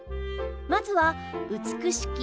まずは「美しき」